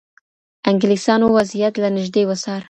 انګلیسانو وضعیت له نږدې وڅار.